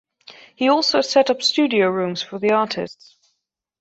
He also set up studio rooms for the artists.